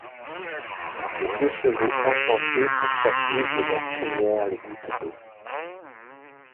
Les deux chevaux encensaient pour chasser de leurs crinières les gouttes d'eau.